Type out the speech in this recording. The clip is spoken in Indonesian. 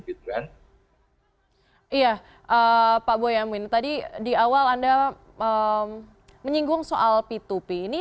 iya pak boyamin tadi di awal anda menyinggung soal p dua p ini